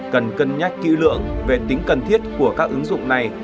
cần cân nhắc kỹ lưỡng về tính cần thiết của các ứng dụng này